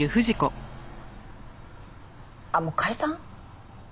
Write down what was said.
あっもう解散？